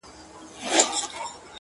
وجود مي غم ناځوانه وړی دی له ځانه سره!!